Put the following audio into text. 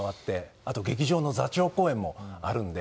あと劇場の座長公演もあるので。